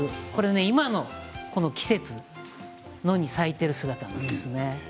今のこの季節野に咲いている姿なんですね。